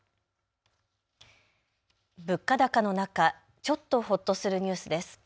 物価高の中、ちょっとほっとするニュースです。